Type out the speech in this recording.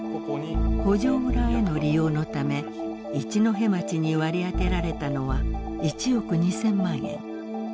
補助裏への利用のため一戸町に割り当てられたのは１億２，０００万円。